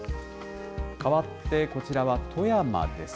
かわって、こちらは富山です。